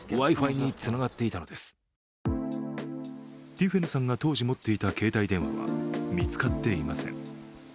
ティフェヌさんが当時持っていた携帯電話は見つかっていません。